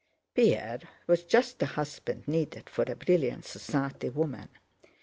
Pierre was just the husband needed for a brilliant society woman.